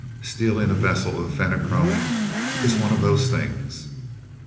Stealing a vessel of the Fenachrone is one of those things.